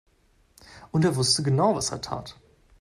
Und er wusste genau, was er tat.